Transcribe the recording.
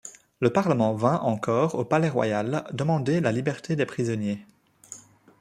Le parlement vint en corps au Palais-Royal demander la liberté des prisonniers.